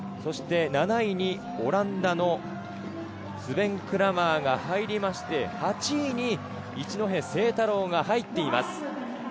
７位にオランダのスベン・クラマーが入りまして、８位に一戸誠太郎が入っています。